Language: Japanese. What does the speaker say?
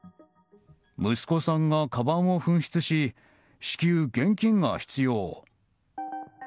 息子さんがかばんを紛失し至急、現金が必要。